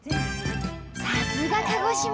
さすが鹿児島！